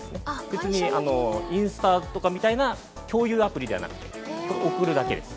別に、インスタとかみたいな共有アプリではなくて、送るだけです。